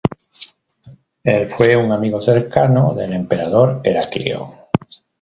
Él fue un amigo cercano del emperador Heraclio.